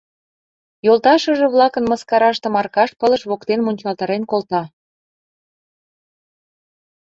Йолташыже-влакын мыскараштым Аркаш пылыш воктен мунчалтарен колта.